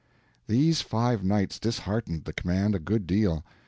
These five nights disheartened the command a good deal.